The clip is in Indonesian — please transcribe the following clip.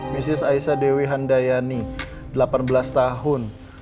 mrs aisha dewi handayani delapan belas tahun